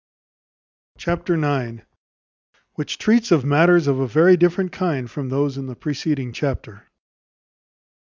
Which treats of matters of a very different kind from those in the preceding chapter.